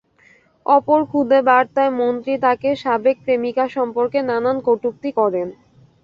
অপর খুদে বার্তায় মন্ত্রী তাঁর সাবেক প্রেমিকা সম্পর্কে নানান কটূক্তি করেন।